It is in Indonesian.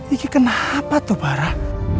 ini kenapa tuh barah